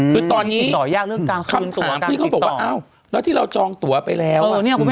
คือตอนนี้คำถามที่เขาบอกว่าอ้าวแล้วที่เราจองตัวไปแล้ว